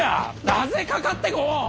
なぜかかってこん！